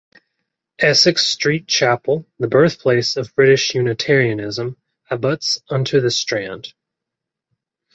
Essex Street Chapel, the birthplace of British Unitarianism, abuts onto the Strand.